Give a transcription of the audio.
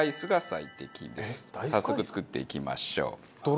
早速作っていきましょう。